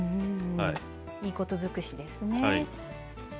いいこと尽くしですね。